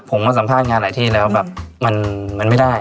ผมมาสัมภาษณ์งานหลายที่แล้วแบบมันไม่ได้